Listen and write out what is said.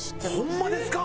ホンマですか？